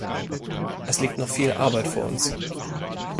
Es liegt noch viel Arbeit vor uns.